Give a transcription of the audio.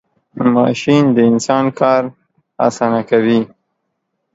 ماشین د انسان کار آسانه کوي .